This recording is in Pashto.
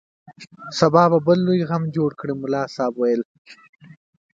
سبا به بل لوی غم جوړ کړي ملا صاحب وویل.